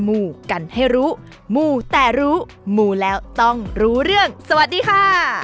มูลแต่รู้มูแล้วต้องรู้เรื่องสวัสดีค่ะ